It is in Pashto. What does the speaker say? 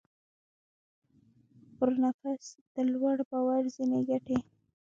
پر نفس د لوړ باور ځينې ګټې.